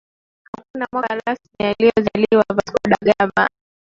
Hakuna mwaka rasmi aliozaliwa vasco da gama